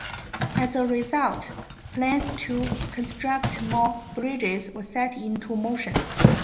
As a result, plans to construct more bridges were set into motion.